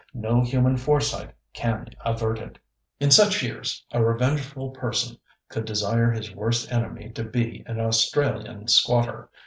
No human foresight can avert it. In such years, a revengeful person could desire his worst enemy to be an Australian squatter.